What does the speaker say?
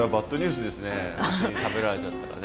虫に食べられちゃったらね。